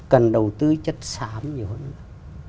cần đầu tư chất xám nhiều hơn nữa